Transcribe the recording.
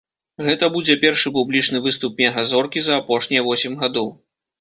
Гэта будзе першы публічны выступ мега-зоркі за апошнія восем гадоў.